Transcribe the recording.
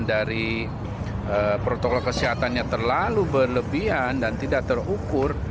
dari protokol kesehatannya terlalu berlebihan dan tidak terukur